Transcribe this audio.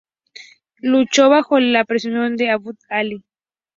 Luchó bajo el pseudónimo de "Abu Ali".